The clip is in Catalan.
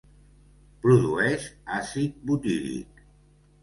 Produeix àcid butíric.